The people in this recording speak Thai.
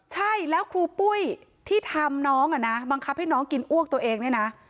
ใช่แล้วครูปุ้ยที่ทำน้องอ่ะนะบังคับให้น้องกินอ้วกตัวเองเนี่ยนะ